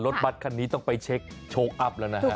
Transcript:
รถบัตรคันนี้ต้องไปเช็คโชคอัพแล้วนะฮะ